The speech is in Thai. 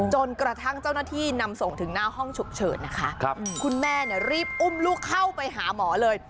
จนกระทั่งเจ้าหน้าที่นำส่งถึงหน้าห้องฉุกเฉินนะคะคุณแม่เนี่ยรีบอุ้มลูกเข้าไปหาหมอเลย